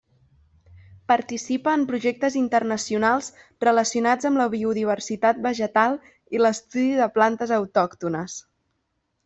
Participa en projectes internacionals relacionats amb la biodiversitat vegetal i l'estudi de plantes autòctones.